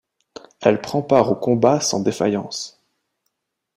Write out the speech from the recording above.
Elle prend part aux combats sans défaillance.